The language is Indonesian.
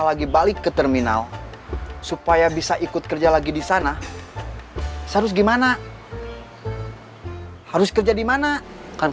lagi balik ke terminal supaya bisa ikut kerja lagi di sana harus gimana harus kerja dimana kan